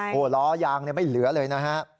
โอ้โหล้อยางไม่เหลือเลยนะฮะ